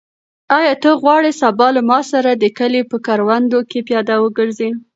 آیا ته غواړې سبا له ما سره د کلي په کروندو کې پیاده وګرځې؟